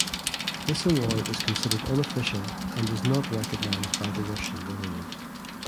This award is considered unofficial and is not recognized by the Russian government.